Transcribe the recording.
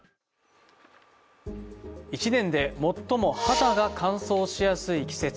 １年で最も肌が乾燥しやすい季節。